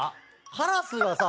カラスがさ。